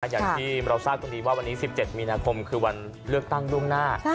อย่างที่เราทราบกันดีว่าวันนี้๑๗มีนาคมคือวันเลือกตั้งล่วงหน้า